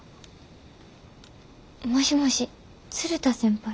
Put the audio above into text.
もしもし鶴田先輩？